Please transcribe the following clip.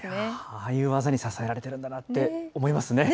ああいう技に支えられてるんだなって思いますね。